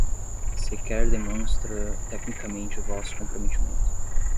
Sequer demonstra tecnicamente vosso comprometimento